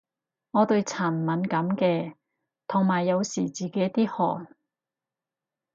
我對塵敏感嘅，同埋有時自己啲汗